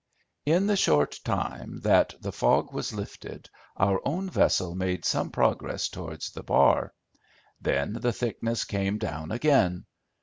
In the short time that the fog was lifted our own vessel made some progress towards the bar. Then the thickness came down again.